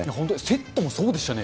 セットもそうでしたね。